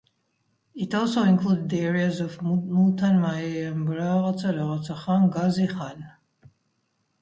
It also included the areas of Multan, Mianwali, the Bahawalpur, and Dera Ghazi Khan.